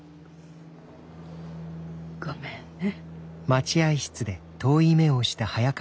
ごめんね。